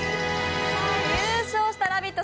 優勝したラヴィット！